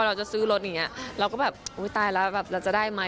เราจะซื้อรถอย่างเงี้ยเราก็แบบอุ้ยตายแล้วแบบเราจะได้ไหม